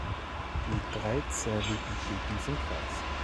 Die dreizähligen Blüten sind weiß.